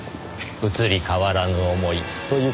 移り変わらぬ思いという事ですか？